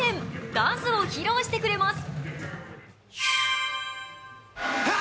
ダンスを披露してくれます。